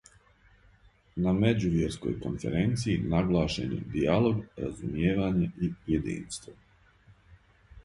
На меđувјерској конференцији наглашени дијалог, разумијевање и јединство